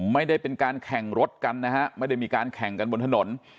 ไม่ได้เป็นการแข่งรถกันนะฮะไม่ได้มีการแข่งกันบนถนน